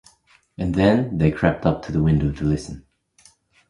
And then they crept up to the window to listen.